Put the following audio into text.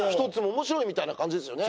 面白いみたいな感じですよね。